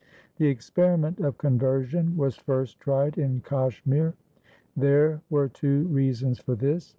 The experiment of conversion was first tried in Kashmir. There were two reasons for this.